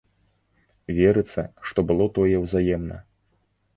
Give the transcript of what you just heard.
Верыцца, што было тое ўзаемна.